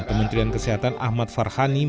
kementerian kesehatan ahmad farhani